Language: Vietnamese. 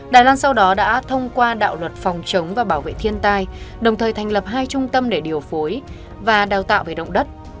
đài loan sau đó đã thông qua đạo luật phòng chống và bảo vệ thiên tai đồng thời thành lập hai trung tâm để điều phối và đào tạo về động đất